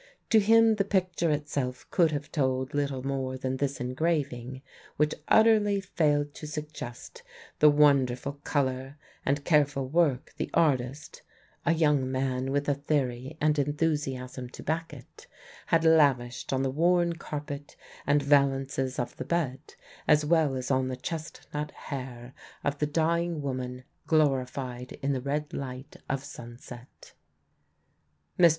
To him the picture itself could have told little more than this engraving, which utterly failed to suggest the wonderful colour and careful work the artist (a young man with a theory and enthusiasm to back it) had lavished on the worn carpet and valances of the bed, as well as on the chestnut hair of the dying woman glorified in the red light of sunset. Mr.